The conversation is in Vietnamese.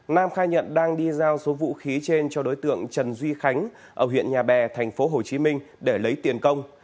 nam khai nhận đang đi giao số vũ khí trên cho đối tượng trần duy khánh ở huyện nhà bè tp hcm để lấy tiền công